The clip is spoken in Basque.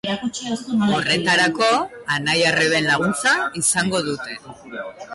Horretarako, anai-arreben laguntza izango dute.